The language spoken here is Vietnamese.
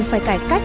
phải cải cách